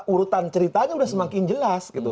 urutan ceritanya udah semakin jelas